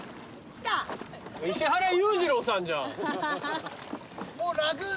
石原裕次郎さんじゃん。